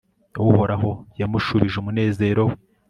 uhoraho yamushubije umunezero we